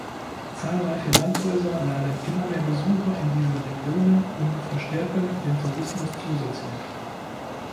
Zahlreiche Landhäuser laden immer mehr Besucher in diese Regionen un verstärken den Tourismus zusätzlich.